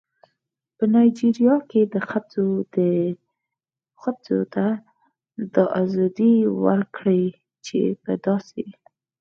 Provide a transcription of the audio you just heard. په نایجیریا کې ښځو ته دا ازادي ورکړې چې په داسې